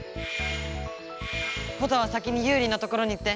ポタは先にユウリのところに行って。